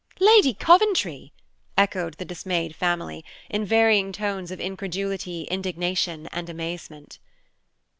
"Lady Coventry!" echoed the dismayed family, in varying tones of incredulity, indignation, and amazement.